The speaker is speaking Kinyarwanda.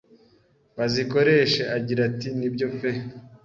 bazikoreshe agira ati nibyo pe